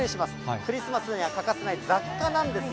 クリスマスには欠かせない雑貨なんですね。